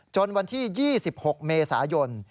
วันที่๒๖เมษายน